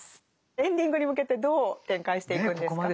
エンディングに向けてどう展開していくんですか？